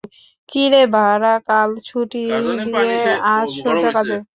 কিরে বাড়া, কাল ছুটি দিয়ে আজ সোজা কাজে!